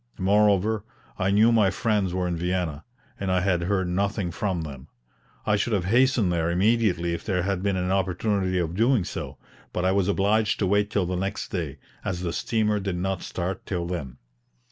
Moreover, I knew my friends were in Vienna, and I had heard nothing from them. I should have hastened there immediately if there had been an opportunity of doing so; but I was obliged to wait till the next day, as the steamer did not start till then.